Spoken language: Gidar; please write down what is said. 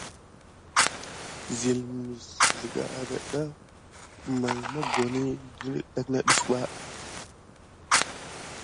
Zila na hakuya siga adada way mokone di toryo.